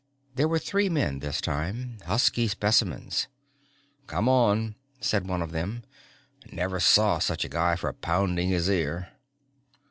There were three men this time, husky specimens. "Come on," said one of them. "Never saw such a guy for pounding his ear."